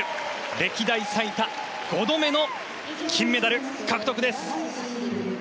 歴代最多５度目の金メダル獲得です。